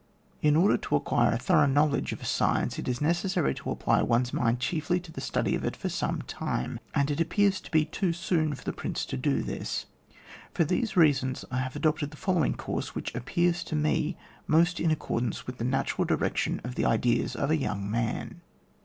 In order to acquire a thorough know ledge of a science, it is necessary to apply one's mind chiefly to the study of it for some time, and it appears to be too soon for the Prince to do this. For these reasons I have adopted the following course, which appears to me most in accordance with the natural direction of the ideas of a young man.